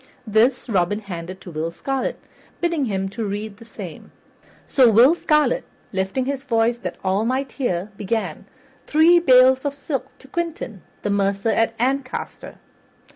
This Robin handed to Will Scarlet, bidding him to read the same. So Will Scarlet, lifting his voice that all might hear, began: "Three bales of silk to Quentin, the mercer at Ancaster."